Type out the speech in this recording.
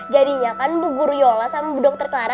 jadinya kan bu gur yola sama bu dokter clara